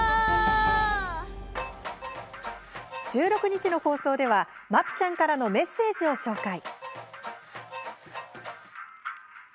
１６日の放送ではＭＡＰＩちゃんからのメッセージを紹介。